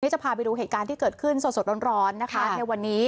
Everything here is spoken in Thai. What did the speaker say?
จะพาไปดูเหตุการณ์ที่เกิดขึ้นสดร้อนนะคะในวันนี้